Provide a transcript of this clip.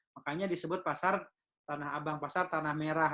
makanya disebut pasar tanah abang pasar tanah merah